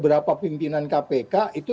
beberapa pimpinan kpk itu